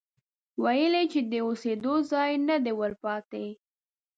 ويل يې چې د اوسېدو ځای نه دی ورپاتې،